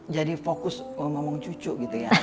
jadi fokus ngomong cucu gitu ya